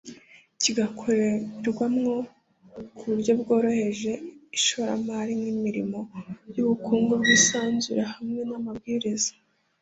kigakorerwamo ku buryo bworohereza ishoramari nk’imirimo y’ubukungu bwisanzuye hamwe n’amabwiriza